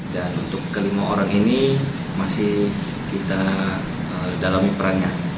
dan untuk kelima orang ini masih kita dalami peran